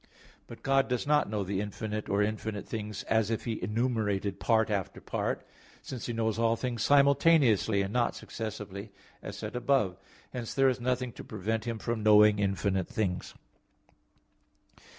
But God does not know the infinite or infinite things, as if He enumerated part after part; since He knows all things simultaneously, and not successively, as said above (A. 7). Hence there is nothing to prevent Him from knowing infinite things.